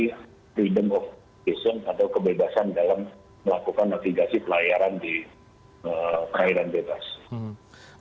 freedom of vision atau kebebasan dalam melakukan navigasi pelayaran di kawasan laut cina selatan